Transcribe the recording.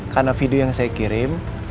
karena video yang saya kirim